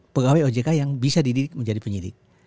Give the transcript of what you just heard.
pegawai ojk yang bisa dididik menjadi penyidik